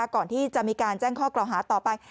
ก่อนที่จะมีการแจ้งข้อกล่าวหาต่อไป